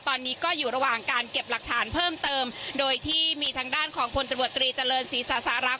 ตอนนี้ก็อยู่ระหว่างการเก็บหลักฐานเพิ่มเติมโดยที่มีทางด้านของพลตำรวจตรีเจริญศรีศาสรักษ